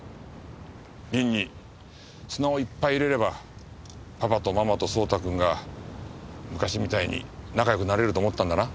ビンに砂をいっぱい入れればパパとママと蒼太くんが昔みたいに仲良くなれると思ったんだな？